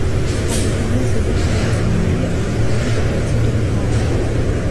აგებულია ზედაპლიოცენური ანდეზიტ-დაციტური ლავებით.